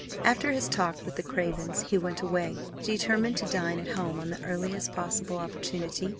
After his talk with the Cravens, he went away, determined to dine at home on the earliest possible opportunity.